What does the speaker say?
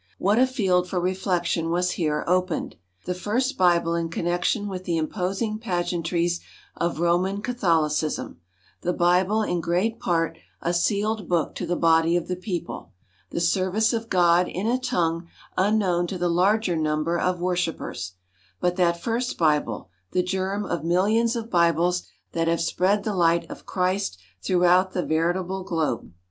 What a field for reflection was here opened! The first Bible in connection with the imposing pageantries of Roman Catholicism, the Bible in great part a sealed book to the body of the people; the service of God in a tongue unknown to the larger number of worshippers; but that first Bible the germ of millions of Bibles that have spread the light of Christ throughout the veritable globe!